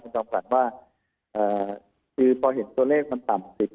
สำคัญความว่าพอเห็นตัวเลขมันต่ำติดหลายวันเนี่ย